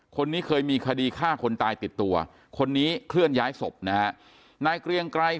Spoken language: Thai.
คนนี้เคยมีคดีฆ่าคนตายติดตัวคนนี้เคลื่อนย้ายศพนะฮะนายเกรียงไกร